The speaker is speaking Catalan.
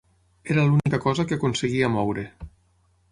Era l'única cosa que aconseguia moure.